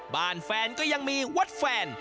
แฟนก็ยังมีวัดแฟน